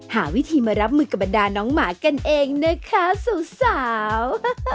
หาวิธีมารับมือกับบรรดาน้องหมากันเองนะคะสาว